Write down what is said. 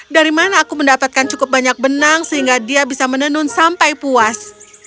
dari mana aku mendapatkan cukup banyak benang sehingga dia bisa menenun sampai puas